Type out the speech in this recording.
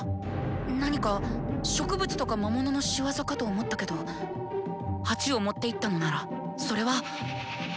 何か植物とか魔物の仕業かと思ったけど鉢を持っていったのならそれは生徒の魔術！